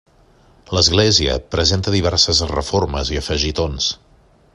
L’església presenta diverses reformes i afegitons.